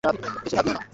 বেশি ভাব নিও না।